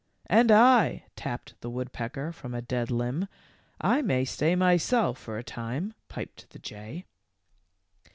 ?r And I," tapped the woodpecker from a dead limb. "I may stay myself for a time," piped the jay.